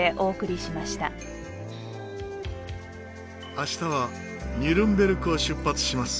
明日はニュルンベルクを出発します。